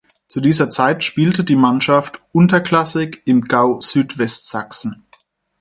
Zu dieser Zeit spielte die Mannschaft unterklassig im "Gau Südwestsachsen".